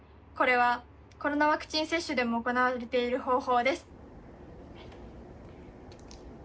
これはコロナワクチン接種でも行われている方法です。